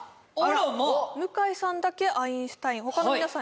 向井さんだけアインシュタイン他の皆さん